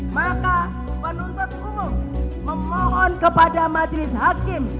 maka penuntut umum memohon kepada majelis hakim